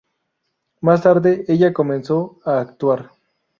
Más tarde, ella comenzó a actuar.